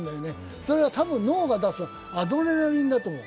それは多分、脳が出すアドレナリンだと思う。